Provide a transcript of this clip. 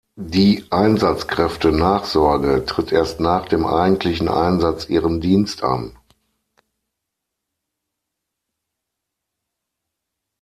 Die Einsatzkräfte-Nachsorge tritt erst nach dem eigentlichen Einsatz ihren Dienst an.